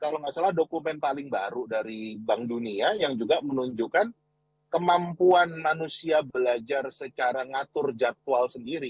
kalau nggak salah dokumen paling baru dari bank dunia yang juga menunjukkan kemampuan manusia belajar secara ngatur jadwal sendiri